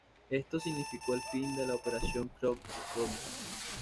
Esto significó el fin de la Operación Chrome Dome.